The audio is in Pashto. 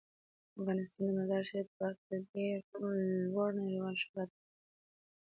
افغانستان د مزارشریف په برخه کې یو ډیر لوړ نړیوال شهرت لري.